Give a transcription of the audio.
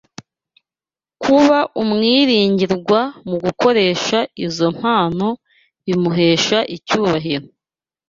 kuba umwirigirwa mu gukoresha izo mpano bimuhesha icyubahiro